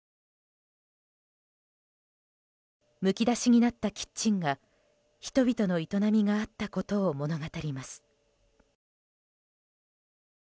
むき出しになったキッチンが人々の営みがあったことを物語ります。